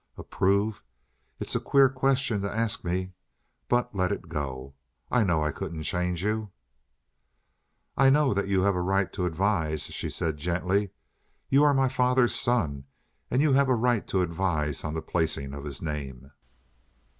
"Approve? It's a queer question to ask me. But let it go. I know I couldn't change you." "I know that you have a right to advise," she said gently. "You are my father's son and you have a right to advise on the placing of his name."